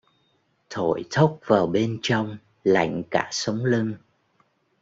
Thổi thốc vào bên trong lạnh cả sống lưng